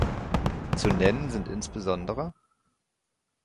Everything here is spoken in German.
Zu nennen sind insbesondere